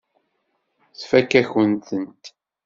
Tfakk-akent-tent.